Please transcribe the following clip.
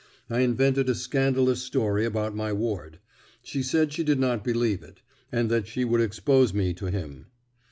I invented a scandalous story about my ward. She said she did not believe it, and that she would expose me to him.